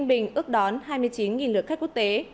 bình ước đón hai mươi chín lượt khách quốc tế